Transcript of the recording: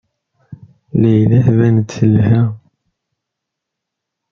Layla tban-d telha.